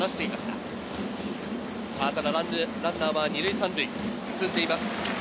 ただランナーは２塁３塁、進んでいます。